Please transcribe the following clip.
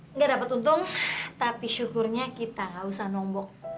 nggak dapet untung tapi syukurnya kita nggak usah nombok